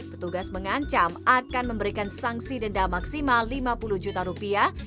petugas mengancam akan memberikan sanksi denda maksimal lima puluh juta rupiah